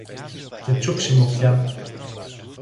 Και τσούξιμο πια!